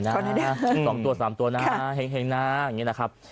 ขอหน่อยเด้อสองตัวสามตัวนะแห่งแห่งนะอย่างเงี้ยนะครับ